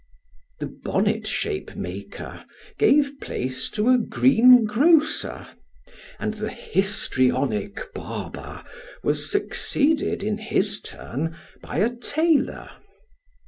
The bonnet shape maker gave place to a greengrocer, and tho histrionic barber was succeeded, in his turn, by a tailor.